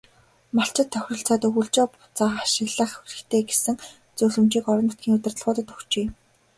Малчид тохиролцоод өвөлжөө бууцаа ашиглах хэрэгтэй гэсэн зөвлөмжийг орон нутгийн удирдлагуудад өгчээ.